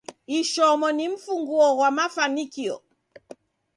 Ishomo ni mfunguo ghwa mafanikio.